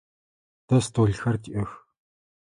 Тэ столхэр тиӏэх.